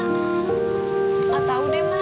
nggak tahu deh mai